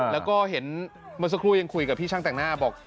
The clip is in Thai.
แล้วก็เห็นเมื่อสักครู่ยังคุยกับพี่ช่างแต่งหน้าบอก